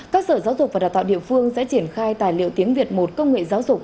các sở giáo dục và đào tạo địa phương sẽ triển khai tài liệu tiếng việt một công nghệ giáo dục